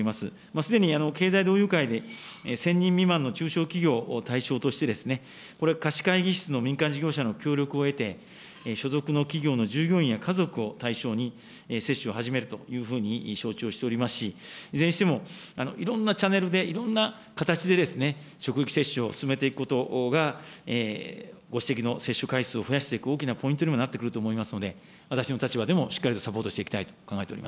すでに経済同友会で１０００人未満の中小企業を対象として、これを貸会議室の民間事業者の協力を得て、所属の企業の従業員や家族を対象に、接種を始めるというふうに承知をしておりますし、いずれにしてもいろんなチャネルで、いろんな形で職域接種を進めていくことが、ご指摘の接種回数を増やしていく大きなポイントにもなってくると思いますので、私の立場でもしっかりとサポートしていきたいと考